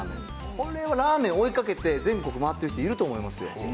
これはラーメン追いかけて全国回ってる人、いると思いますよ。